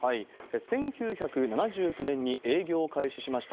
１９７９年に営業を開始しました。